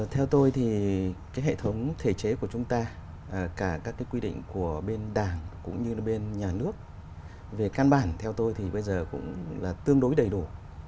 theo tôi thì cái hệ thống thể chế của chúng ta cả các cái quy định của bên đảng cũng như bên nhà nước về căn bản theo tôi thì bây giờ cũng là tương đối đầy đủ